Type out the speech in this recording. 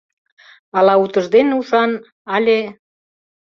Ала утыждене ушан, але...